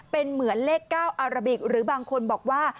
เป็นเหมือนเลข๙อาราบิกหรือบางคนบอกว่า